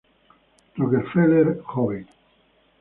Rockefeller Jr.